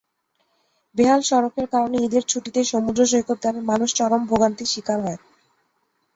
বেহাল সড়কের কারণে ঈদের ছুটিতে সমুদ্রসৈকতগামী মানুষ চরম ভোগান্তির শিকার হয়।